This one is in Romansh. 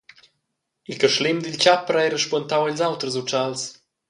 Il carschlem dil tgaper ha era spuentau ils auters utschals.